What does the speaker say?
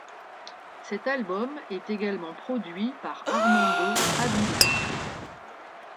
Cet album est également produit par Ármando Ávila.